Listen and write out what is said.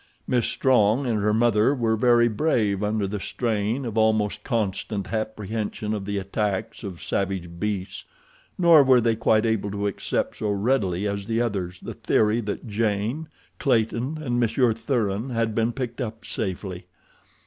Miss Strong and her mother were very brave under the strain of almost constant apprehension of the attacks of savage beasts. Nor were they quite able to accept so readily as the others the theory that Jane, Clayton, and Monsieur Thuran had been picked up safely.